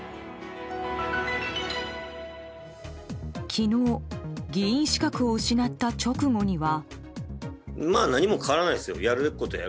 昨日議員資格を失った直後には。